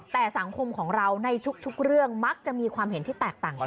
แต่สังคมของเราในทุกเรื่องมักจะมีความเห็นที่แตกต่างกัน